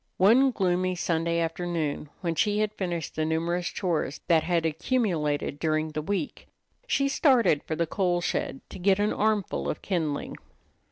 One gloomy Sunday afternoon when she had finished the numerous chores that had accumulated during the week, she started for the coal shed to get an armful of kindling.